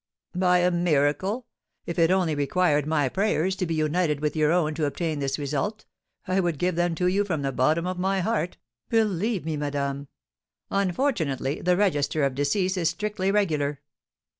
"By a miracle? If it only required my prayers to be united with your own to obtain this result, I would give them to you from the bottom of my heart, believe me, madame. Unfortunately, the register of decease is strictly regular."